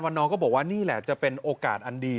น้องก็บอกว่านี่แหละจะเป็นโอกาสอันดี